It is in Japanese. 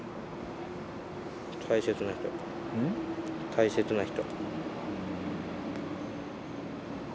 大切な人。